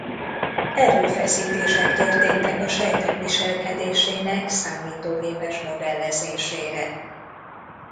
Erőfeszítések történtek a sejtek viselkedésének számítógépes modellezésére.